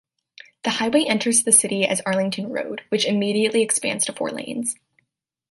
The highway enters the city as Arlington Road, which immediately expands to four lanes.